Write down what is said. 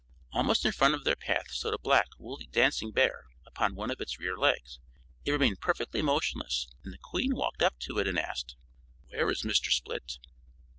Almost in front of their path stood a black, woolly dancing bear upon one of its rear legs. It remained perfectly motionless, and the Queen walked up to it and asked: "Where is Mr. Split?"